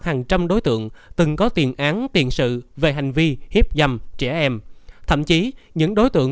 hàng trăm đối tượng từng có tiền án tiền sự về hành vi hiếp dâm trẻ em thậm chí những đối tượng